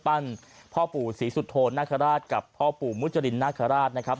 พ่อปู่ศรีสุโธนาคาราชกับพ่อปู่มุจรินนาคาราชนะครับ